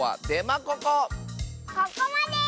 ここまで！